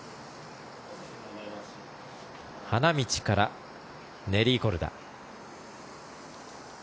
花道からネリー・コルダ。